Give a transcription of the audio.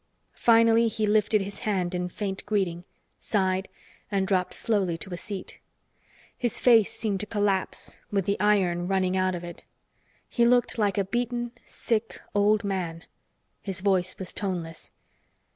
Finally he lifted his hand in faint greeting, sighed and dropped slowly to a seat. His face seemed to collapse, with the iron running out of it. He looked like a beaten, sick old man. His voice was toneless.